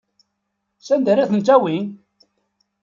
Sanda ara ten-tawi?